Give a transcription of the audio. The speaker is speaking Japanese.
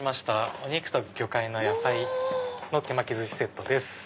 「お肉と魚介、野菜の手巻き寿司セット」です。